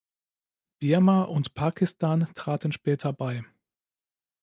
Birma und Pakistan traten später bei.